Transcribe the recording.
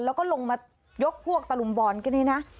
แล้วก็ลงมายกพวกตะลุมบอลกันนี่นะ